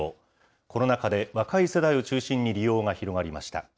コロナ禍で若い世代を中心に利用が広がりました。